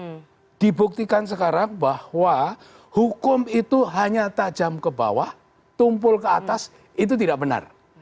tapi dibuktikan sekarang bahwa hukum itu hanya tajam ke bawah tumpul ke atas itu tidak benar